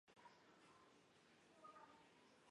归国后任绥远都统公署秘书长。